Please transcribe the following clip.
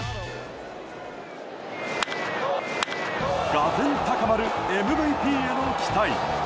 がぜん高まるＭＶＰへの期待。